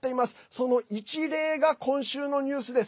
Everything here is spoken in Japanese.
その一例が今週のニュースです。